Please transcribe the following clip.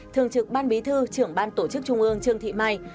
thường trực ban bí thư trưởng ban tổ chức trung ương trương thị mai